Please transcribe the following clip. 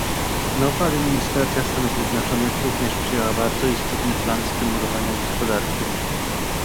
Nowa administracja Stanów Zjednoczonych również przyjęła bardzo istotny plan stymulowania gospodarki